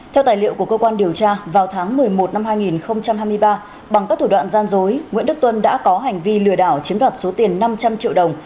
theo tài liệu của cơ quan điều tra vào tháng một mươi một năm hai nghìn hai mươi ba bằng các thủ đoạn gian dối nguyễn đức tuân đã có hành vi lừa đảo chiếm đoạt số tiền năm trăm linh triệu đồng